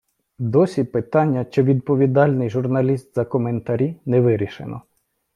Досі питання, чи відповідальний журналіст за коментарі, не вирішено.